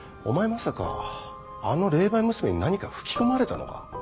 まさかあの霊媒娘に何か吹き込まれたのか？